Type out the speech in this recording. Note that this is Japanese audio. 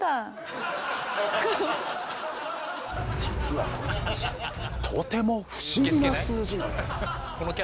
実はこの数字とても不思議な数字なんです。